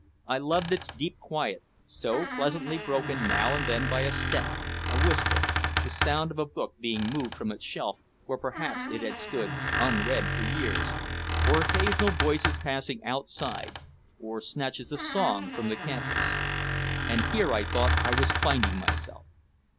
I loved its deep quiet, so pleasantly broken now and then by a step, a whisper, the sound of a book being moved from its shelf where perhaps it had stood unread for years, or occasional voices passing outside or snatches of song from the campus. And here I thought I was finding myself.